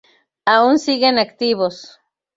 Aun siguen activos.